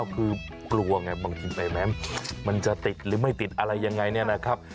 คือกลัวไงบางทีใบแม้มมันจะติดหรือไม่ติดอะไรยังไงนะครับ